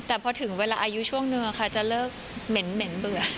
แต่พอถึงเวลาอายุช่วงนึงค่ะจะเลิกเหม็นเบื่อ